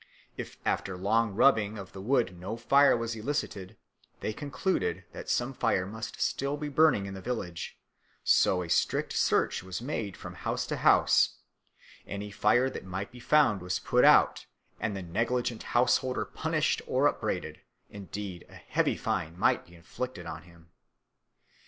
If after long rubbing of the wood no fire was elicited they concluded that some fire must still be burning in the village; so a strict search was made from house to house, any fire that might be found was put out, and the negligent householder punished or upbraided; indeed a heavy fine might be inflicted on him.